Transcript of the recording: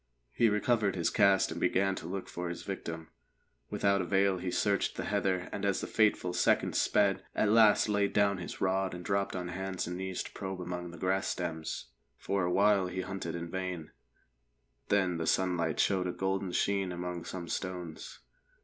He recovered his cast and began to look for his victim. Without avail he searched the heather, and as the fateful seconds sped, at last laid down his rod and dropped on hands and knees to probe among the grass stems. For a while he hunted in vain, then the sunlight showed a golden sheen among some stones.